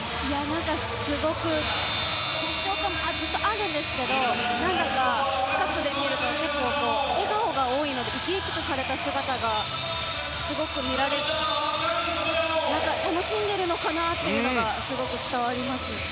すごく緊張感がずっとあるんですけども何だか近くで見ると結構、笑顔が多いので生き生きとされた姿が見られて楽しんでいるのかなというのがすごく伝わりますね。